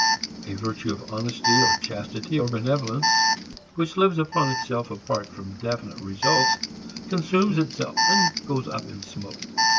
A virtue of honesty, or chastity or benevolence which lives upon itself apart from definite results consumes itself and goes up in smoke.